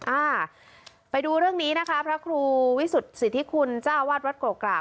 อ่าไปดูเรื่องนี้นะคะพระครูวิสุทธิคุณเจ้าอาวาสวัดโกกราก